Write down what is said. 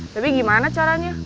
tapi gimana caranya